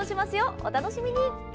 お楽しみに。